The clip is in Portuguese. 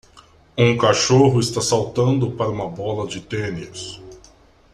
Um cachorro está saltando para uma bola de tênis.